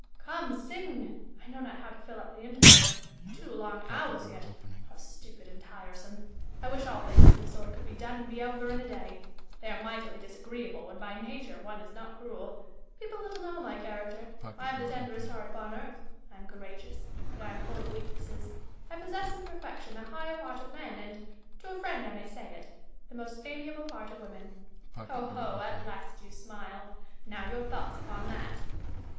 Come, sing. I know not how to fill up the interval. Two long hours yet !— how stupid and tiresome ! I wish all things of the sort could be done and be over in a day. They are mightily disagreeable when by nature one is not cruel. People little know my character. I have the tenderest heai't upon earth. I am courageous, but I am full of weaknesses. I possess in perfection the higher part of men, and — to a friend I may say it — the most amiaV)le part of women. Ho, ho ! at last you smile : now, your thoughts upon that.